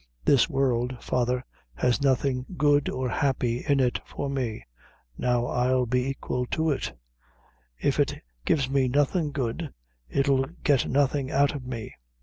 This world, father, has nothing good or happy in it for me now I'll be aquil to it; if it gives me nothing good, it'll get nothing out of me.